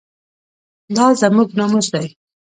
دا زموږ ناموس دی